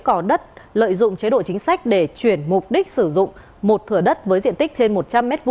có đất lợi dụng chế độ chính sách để chuyển mục đích sử dụng một thửa đất với diện tích trên một trăm linh m hai